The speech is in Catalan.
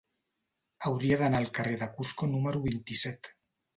Hauria d'anar al carrer de Cusco número vint-i-set.